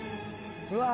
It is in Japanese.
うわ。